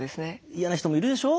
嫌な人もいるでしょう。